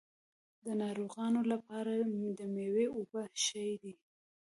د ناروغانو لپاره د میوو اوبه ښې دي.